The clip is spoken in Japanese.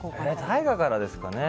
大我からですかね。